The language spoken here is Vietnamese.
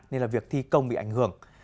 nên việc thi công bị ảnh hưởng